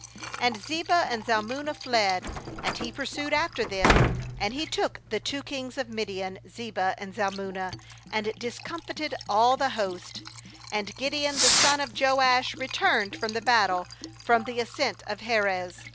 12And Zebah and Zalmunna fled; and he pursued after them; and he took the two kings of Midian, Zebah and Zalmunna, and discomfited all the host. KAnd Gideon the son of Joash returned from the battle from the ascent of Heres.